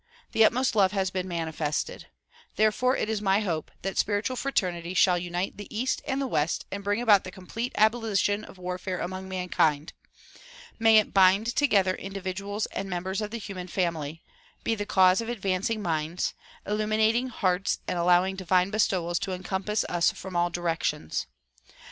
The utmost love has been manifested. There fore it is my hope that spiritual fraternity shall unite the east and the west and bring about the complete abolition of warfare among mankind. May it bind together individuals and members of the human family, be the cause of advancing minds, illuminating hearts and allowing divine bestowals to encompass us from all directions.